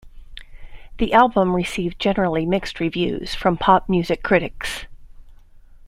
The album received generally mixed reviews from pop music critics.